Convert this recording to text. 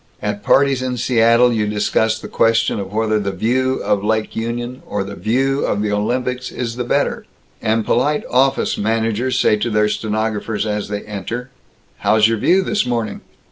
At parties in Seattle, you discuss the question of whether the View of Lake Union or the View of the Olympics is the better, and polite office managers say to their stenographers as they enter, "How's your View this morning?"